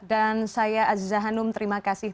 dan saya aziza hanum terima kasih